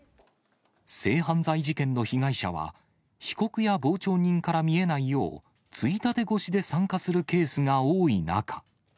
性犯罪事件の被害者は、被告や傍聴人から見えないよう、ついたて越しで参加するケースが多い中。